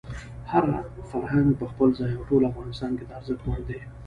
هر فرهنګ په خپل ځای او ټول افغانستان کې د ارزښت وړ دی.